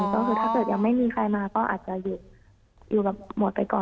ก็คือถ้าเกิดยังไม่มีใครมาก็อาจจะอยู่แบบหมดไปก่อน